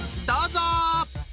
どうぞ！